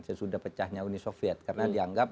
sesudah pecahnya uni soviet karena dianggap